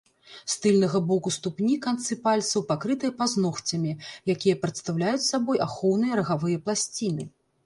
З тыльнага боку ступні канцы пальцаў пакрытыя пазногцямі, якія прадстаўляюць сабой ахоўныя рагавыя пласціны.